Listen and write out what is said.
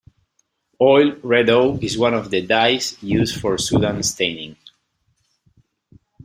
Oil Red O is one of the dyes used for Sudan staining.